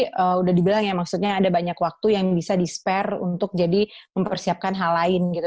sudah dibilang ya maksudnya ada banyak waktu yang bisa di spare untuk jadi mempersiapkan hal lain gitu